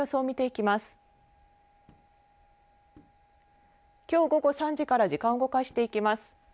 きょう午後３時から時間を動かしていきます。